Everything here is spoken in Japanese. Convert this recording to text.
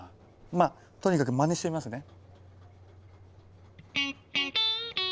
まあとにかくまねしてみますね。